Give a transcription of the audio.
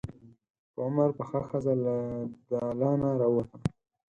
په عمر پخه ښځه له دالانه راووته.